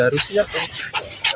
wali kata siap tapi gak ada penugasan